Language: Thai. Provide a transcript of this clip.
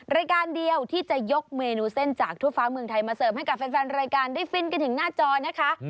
รายการเดียวที่จะยกเมนูเส้นจากทั่วฟ้าเมืองไทยมาเสิร์ฟให้กับแฟนรายการได้ฟินกันถึงหน้าจอนะคะ